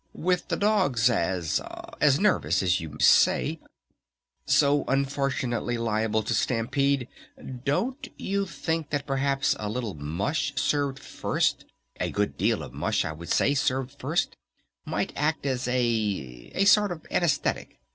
"With the dogs as as nervous as you say, so unfortunately liable to stampede? Don't you think that perhaps a little mush served first, a good deal of mush I would say, served first, might act as a as a sort of anesthetic?...